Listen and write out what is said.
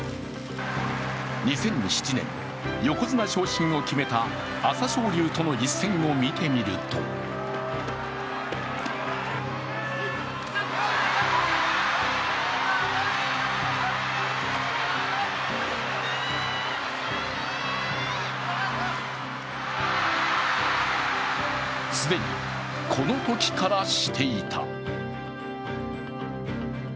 ２００７年、横綱昇進を決めた朝青龍との一戦を見てみると既に、このときからしていた。